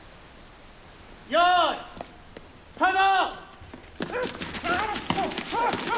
よいスタート！